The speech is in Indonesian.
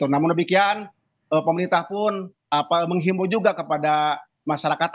namun demikian pemerintah pun menghimbau juga kepada masyarakat